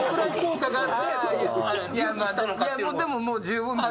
いやでももう十分。